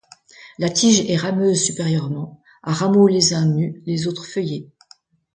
La tige est rameuse supérieurement, à rameaux les uns nus, les autres feuillés.